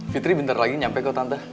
fitri bentar lagi nyampe ke tante